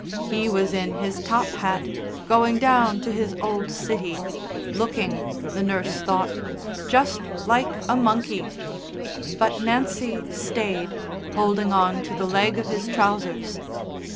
He was in his top hat, going down to his old city, looking, the nurse thought, "just like a monkey." But Nancy stayed, holding on to the leg of his trousers.